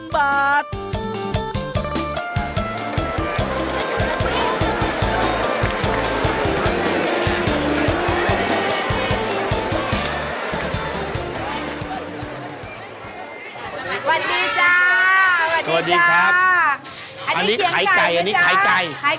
สวัสดีจ้าสวัสดีจ้าอันนี้ไข่ไก่นะจ๊ะไข่ไก่นะจ๊ะ